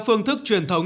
phương thức truyền thống